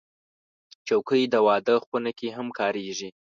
چوکۍ د واده خونه کې هم کارېږي.